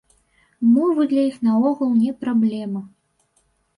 Мовы для іх наогул не праблема.